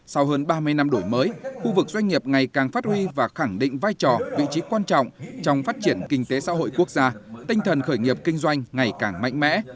sau hơn ba mươi năm đổi mới khu vực doanh nghiệp ngày càng phát huy và khẳng định vai trò vị trí quan trọng trong phát triển kinh tế xã hội quốc gia tinh thần khởi nghiệp kinh doanh ngày càng mạnh mẽ